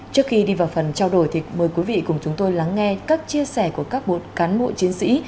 trước khi đi vào phần trao đổi thì mời quý vị cùng chúng tôi lắng nghe các chia sẻ của các một cán bộ chiến sĩ